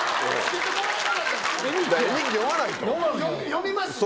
読みますね。